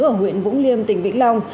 ở huyện vũng liêm tỉnh vĩnh long